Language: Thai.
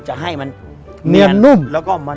พี่บันเจอดกับมา